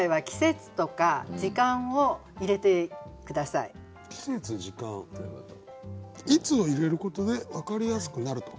「いつ」を入れることで分かりやすくなると。